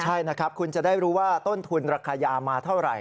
ใช่นะครับคุณจะได้รู้ว่าต้นทุนราคายามาเท่าไหร่